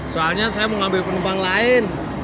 soalnya saya mau ngambil penumpang lain